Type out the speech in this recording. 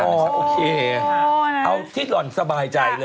โอเคเอาที่หล่อนสบายใจเลย